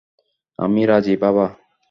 আমি রাজি, বাবা।